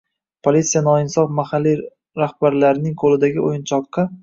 politsiya noinsof mahalliy rahbarlarning qo‘lidagi o‘yinchoqqa